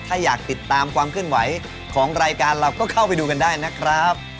ถ้าอยากติดตามความเคลื่อนไหวของรายการเราก็เข้าไปดูกันได้นะครับ